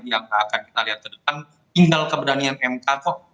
yang akan kita lihat ke depan tinggal keberanian mk kok